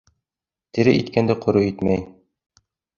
Тере иткәнде ҡоро итмәй.